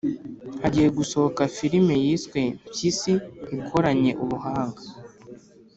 Hagiye gusohoka Filime yiswe 'Mpyisi' ikoranye ubuhanga